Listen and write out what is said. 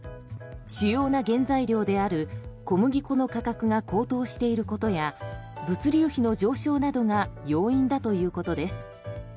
主要な原材料である小麦粉の価格が高騰していることや物流費の上昇などが要因だということです。